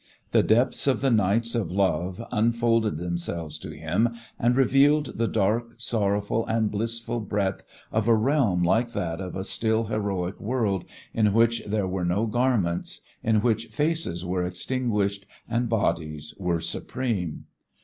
The depths of the nights of love unfolded themselves to him and revealed the dark, sorrowful and blissful breadth of a realm like that of a still heroic world in which there were no garments, in which faces were extinguished and bodies were supreme.